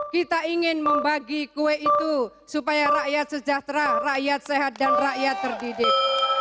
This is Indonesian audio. kita ingin membagi kue itu supaya rakyat sejahtera rakyat sehat dan rakyat terdidik